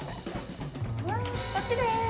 こっちです。